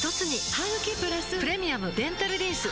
ハグキプラス「プレミアムデンタルリンス」